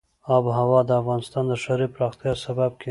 آب وهوا د افغانستان د ښاري پراختیا سبب کېږي.